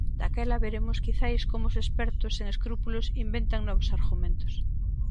Daquela veremos quizais como os expertos sen escrúpulos inventan novos argumentos.